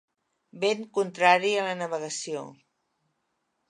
Vent contrari a la navegació.